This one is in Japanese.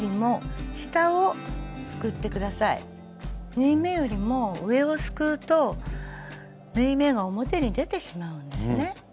縫い目よりも上をすくうと縫い目が表に出てしまうんですね。